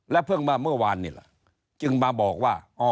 เพิ่งมาเมื่อวานนี่แหละจึงมาบอกว่า